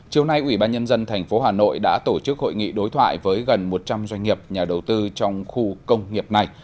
chiều nay ủy ban nhân dân tp hà nội đã tổ chức hội nghị đối thoại với gần một trăm linh doanh nghiệp nhà đầu tư trong khu công nghiệp này